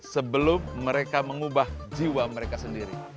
sebelum mereka mengubah jiwa mereka sendiri